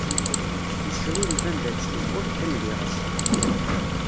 Iccer ur iban d aksum, ur iqqim d iɣes.